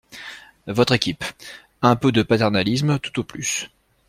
Votre équipe. Un peu de paternalisme, tout au plus.